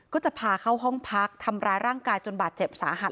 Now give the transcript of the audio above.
ก็จะพาเข้าห้องพักทำร้ายร่างกายจนบาดเจ็บสาหัส